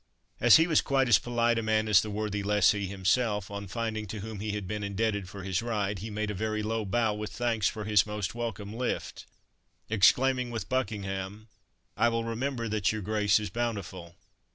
As he was quite as polite a man as the worthy lessee himself, on finding to whom he had been indebted for his ride, he made a very low bow, with thanks for his most welcome "lift," exclaiming with Buckingham, "I will remember that your Grace is bountiful."